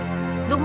và đối tượng là